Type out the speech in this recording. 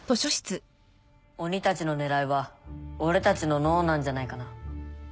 鬼たちの狙いは俺たちの脳なんじゃないかな。